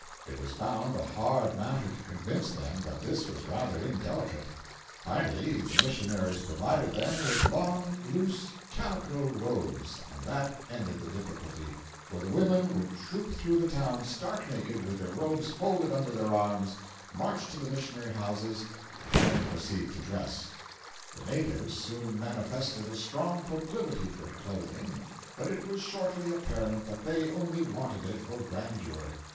It was found a hard matter to convince them that this was rather indelicate. Finally the missionaries provided them with long, loose calico robes, and that ended the difficulty—for the women would troop through the town, stark naked, with their robes folded under their arms, march to the missionary houses and then proceed to dress!— 484.jpg (63K) The natives soon manifested a strong proclivity for clothing, but it was shortly apparent that they only wanted it for grandeur.